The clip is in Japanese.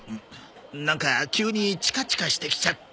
なんか急にチカチカしてきちゃって。